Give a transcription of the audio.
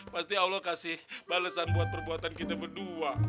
pasti allah kasih balesan buat perbuatan kita berdua